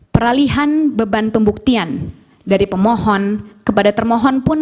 peralihan beban pembuktian dari pemohon kepada termohon pun